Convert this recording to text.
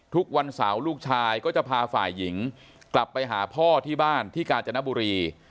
ทุกวันเสาร์ลูกชายก็จะพาฝ่ายหญิงกลับไปหาพ่อที่บ้านที่กาญจนบุรี